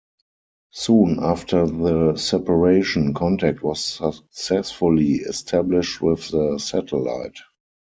Soon after the separation, contact was successfully established with the satellite.